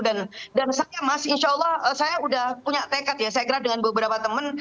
dan saya mas insya allah saya udah punya tekad ya saya kira dengan beberapa temen